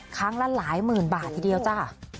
ครั้งละหลายหมื่นบาททีเดียวจ้ะ